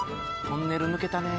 「トンネル抜けたね」